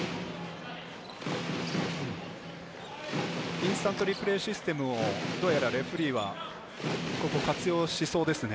インスタントリプレイシステムをレフェリーはここで活用しそうですね。